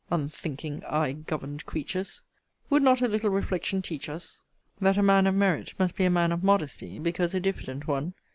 Unthinking eye governed creatures! Would not a little reflection teach us, that a man of merit must be a man of modesty, because a diffident one?